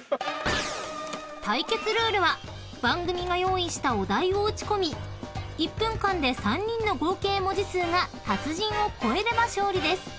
［対決ルールは番組が用意したお題を打ち込み１分間で３人の合計文字数が達人を越えれば勝利です］